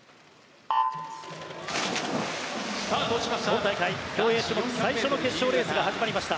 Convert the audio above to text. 今大会、競泳種目最初の決勝レースが始まりました。